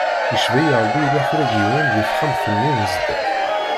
Icebba-yi Ṛebbi yella kra n yiwen di texxamt-nni n zdat.